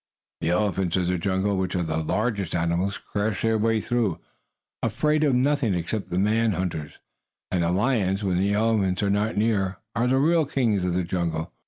The elephants of the jungle, which are the largest animals, crash their way through, afraid of nothing except the men hunters. And the lions, when the elephants are not near, are the real kings of the jungle.